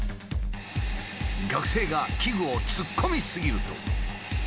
学生が器具を突っ込み過ぎると。